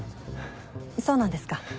そうなんですか。